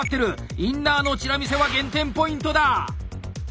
インナーのチラ見せは減点ポイントだ！